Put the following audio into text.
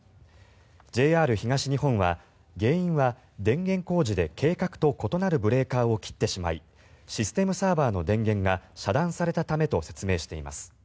ＪＲ東日本は原因は電源工事で計画と異なるブレーカーを切ってしまいシステムサーバーの電源が遮断されたためと説明しています。